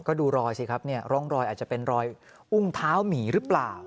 ก็ดูรอยสิครับเนี่ยร่องรอยอาจจะเป็นรอยอุ้งเท้าหมีหรือเปล่า